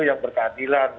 yang berkeadilan gitu